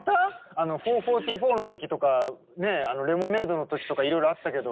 あの「４：４４」のときとかね「レモネード」のときとかいろいろあったけど。